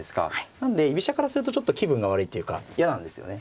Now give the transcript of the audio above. なんで居飛車からするとちょっと気分が悪いっていうか嫌なんですよね。